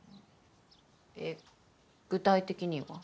えっ具体的には？